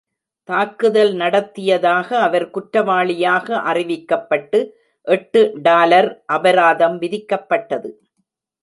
தாக்குதல் நடத்தியதாக அவர் குற்றவாளியாக அறிவிக்கப்பட்டு, எட்டு டாலர் அபராதம் விதிக்கப்பட்டது.